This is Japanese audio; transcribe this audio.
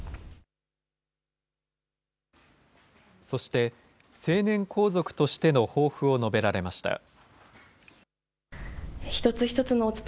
そして、成年皇族としての抱負を述べられました。